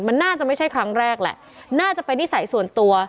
มันน่าจะไม่ใช่ครั้งแรกแหละน่าจะเป็นนิสัยส่วนตัว